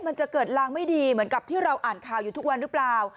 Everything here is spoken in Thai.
มันจะเกิดลางไม่ดีเหมือนกับที่เราอ่านข่าวอยู่ทุกวันหรือเปล่า